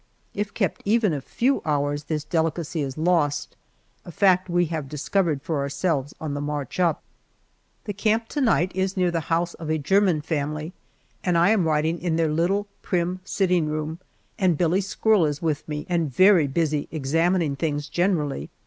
If kept even a few hours this delicacy is lost a fact we have discovered for ourselves on the march up. The camp to night is near the house of a German family, and I am writing in their little prim sitting room, and Billie squirrel is with me and very busy examining' things generally.